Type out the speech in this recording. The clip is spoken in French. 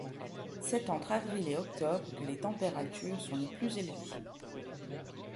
C'est entre avril et octobre que les températures sont les plus élevées.